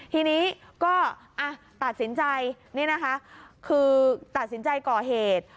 ทีนี้ก็ตัดสินใจนี่นะคะคือตัดสินใจก่อเหตุ